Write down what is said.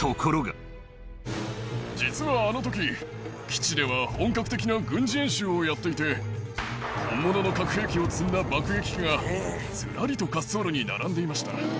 実はあのとき、基地では本格的な軍事演習をやっていて、本物の核兵器を積んだ爆撃機が、ずらりと滑走路に並んでいました。